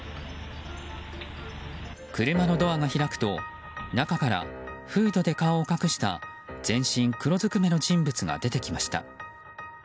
車のドアが開くと、中からフードで顔を隠した全身黒ずくめの人物が出てきました。